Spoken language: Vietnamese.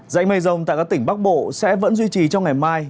dạnh mây rồng tại các tỉnh bắc bộ sẽ vẫn duy trì trong ngày mai